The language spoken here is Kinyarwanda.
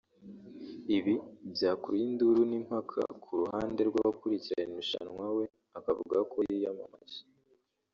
Ibi byakuruye induru n’impaka ku ruhande rw’abakurikirana irushanwa we akavuga ko yiyamamaje